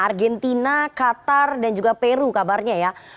argentina qatar dan juga peru kabarnya ya